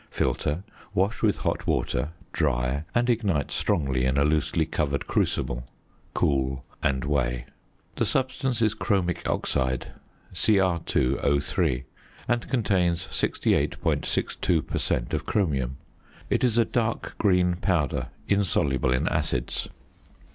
Filter, wash with hot water, dry, and ignite strongly in a loosely covered crucible. Cool, and weigh. The substance is chromic oxide, Cr_O_, and contains 68.62 per cent. of chromium. It is a dark green powder insoluble in acids.